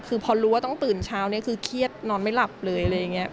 คือพอรู้ว่าต้องตื่นเช้าคือเครียดนอนไม่หลับเลย